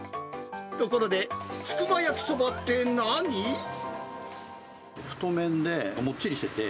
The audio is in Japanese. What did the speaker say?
ところで、太麺で、もっちりしてて。